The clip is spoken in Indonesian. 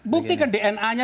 buktikan dna nya